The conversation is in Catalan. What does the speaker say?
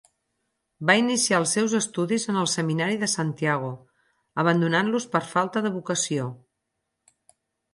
Va iniciar els seus estudis en el seminari de Santiago, abandonant-los per falta de vocació.